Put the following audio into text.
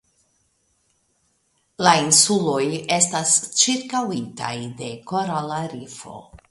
La insuloj estas ĉirkaŭitaj de korala rifo.